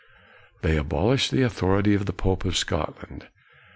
They abolished the authority of the pope in Scotland.